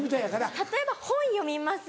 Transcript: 例えば本読みます